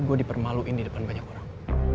gue dipermaluin di depan banyak orang